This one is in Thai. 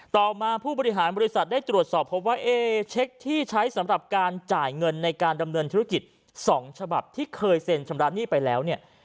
ต่อมาผู้บริหารบริษัทได้ตรวจสอบพบว่าเอ๊เช็คที่ใช้สำหรับการจ่ายเงินในการดำเนินธุรกิจ๒ฉบับที่เคยเซ็นชำระหนี้ไปแล้วเนี่ย